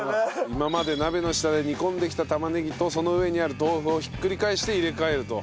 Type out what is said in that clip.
今まで鍋の下で煮込んできた玉ねぎとその上にある豆腐をひっくり返して入れ替えると。